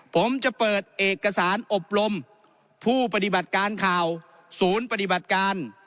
ผมจะเปิดเอกสารอบรมผู้ปฏิบัติการข่าวศูนย์ปฏิบัติการ